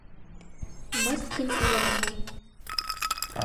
Мыскынь улам мый.